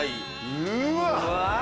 うわ！